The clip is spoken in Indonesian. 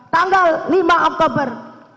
tanggal lima oktober dua ribu dua puluh dua